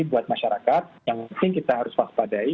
jadi buat masyarakat yang mungkin kita harus waspadai